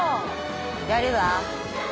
やるわ！